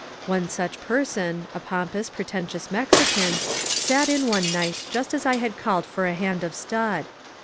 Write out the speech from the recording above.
One such person, a pompous, pretentious Mexican, sat in one night just as I had called for a hand of stud.